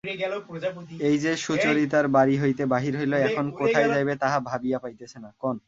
এই-যে সুচরিতার বাড়ি হইতে বাহির হইল এখন কোথায় যাইবে তাহা ভাবিয়া পাইতেছে না।